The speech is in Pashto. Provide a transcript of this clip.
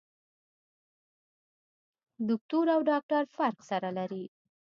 دوکتور او ډاکټر فرق سره لري.